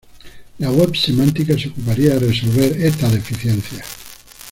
La web semántica se ocuparía de resolver estas deficiencias.